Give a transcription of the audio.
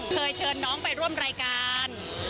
เชิญน้องไปร่วมรายการ